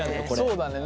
そうだね。